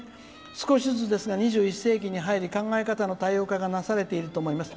少しずつですが２１世紀に入り考え方の多様化がなされていると思います。